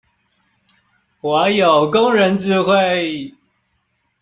我有工人智慧